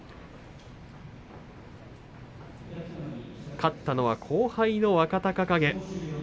勝ったのは後輩の若隆景。